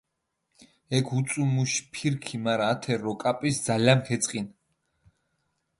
ექ უწუუ მუში ფირქი, მარა ათე როკაპისჷ ძალამქჷ ეწყინჷ.